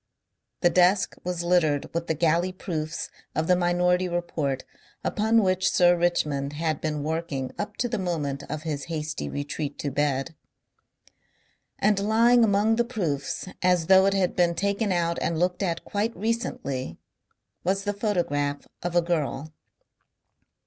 The desk was littered with the galley proofs of the Minority Report upon which Sir Richmond had been working up to the moment of his hasty retreat to bed. And lying among the proofs, as though it had been taken out and looked at quite recently was the photograph of a girl.